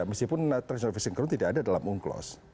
meskipun tradisional visinkron tidak ada dalam unclos